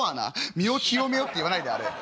身を清めようって言わないであれ。